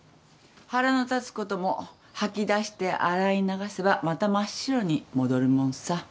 腹の立つことも吐き出して洗い流せばまた真っ白に戻るもんさ。